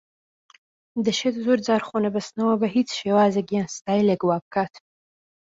دەشێت زۆر جار خۆنەبەستنەوە بە هیچ شێوازێک یان ستایلێک وا بکات